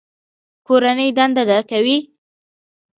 کورنۍ دنده درکوي؟